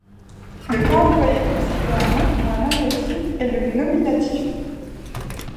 Le cas employé pour citer un nom ou un adjectif est le nominatif.